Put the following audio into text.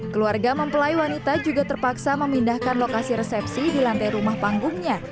keluarga mempelai wanita juga terpaksa memindahkan lokasi resepsi di lantai rumah panggungnya